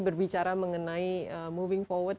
berbicara mengenai moving forward